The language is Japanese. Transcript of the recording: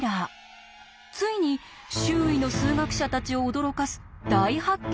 ついに周囲の数学者たちを驚かす大発見を成し遂げます。